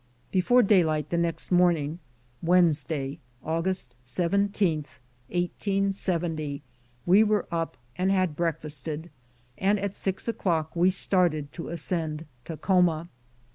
Before daylight the next morning, Wednesday, August 17, 1870, we were up and had breakfasted, and at six o'clock we started to ascend Takhoma.